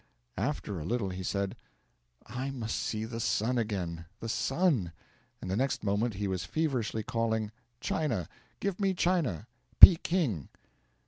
After a little he said: 'I must see the sun again the sun!' and the next moment he was feverishly calling: 'China! Give me China Peking!'